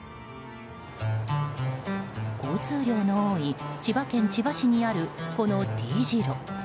交通量の多い千葉県千葉市にある、このＴ字路。